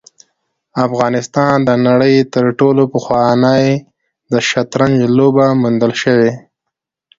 افغانستان د نړۍ تر ټولو پخوانی د شطرنج لوبه موندل شوې